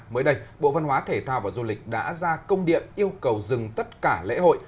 mới đây bộ văn hóa thể thao và du lịch đã ra công điện yêu cầu dừng tất cả lễ hội